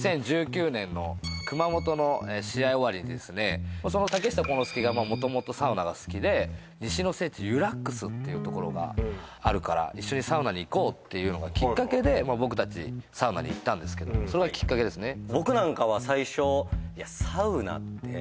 ２０１９年の熊本の試合終わりにですね竹下幸之介がもともとサウナが好きで西の聖地湯らっくすっていうところがあるから一緒にサウナに行こうっていうのがきっかけで僕たちサウナに行ったんですけどもそれがきっかけですね